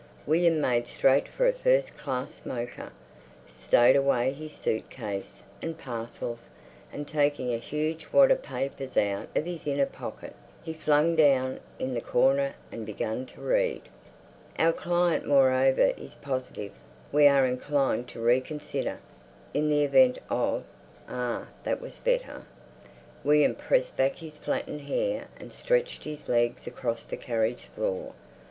William made straight for a first class smoker, stowed away his suit case and parcels, and taking a huge wad of papers out of his inner pocket, he flung down in the corner and began to read. "Our client moreover is positive.... We are inclined to reconsider... in the event of—" Ah, that was better. William pressed back his flattened hair and stretched his legs across the carriage floor.